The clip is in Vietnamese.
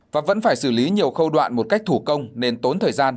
và vẫn phải xử lý nhiều khâu đoạn một cách thủ công nên tốn thời gian